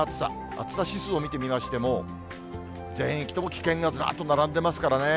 暑さ指数を見てみましても、全域とも危険がずらっと並んでますからね。